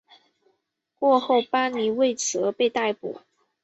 过后班尼为此而被逮捕。